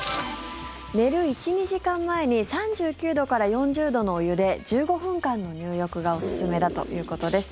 寝る１２時間前に３９度から４０度のお湯で１５分間の入浴がおすすめだということです。